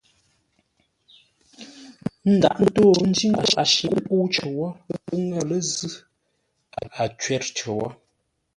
Ə́ ndaghʼ ńtó, ńjí ńgó a shǐʼ ńkə́u cər wó, pə́ ŋə̂ lə́ zʉ́, a cwə̂r cər wó.